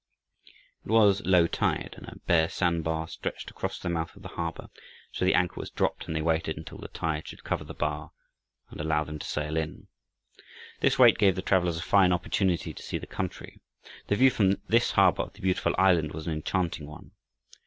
It was low tide and a bare sand bar stretched across the mouth of the harbor, so the anchor was dropped, and they waited until the tide should cover the bar, and allow them to sail in. This wait gave the travelers a fine opportunity to see the country. The view from this harbor of the "Beautiful Island" was an enchanting one.